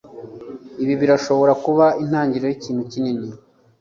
Ibi birashobora kuba intangiriro yikintu kinini?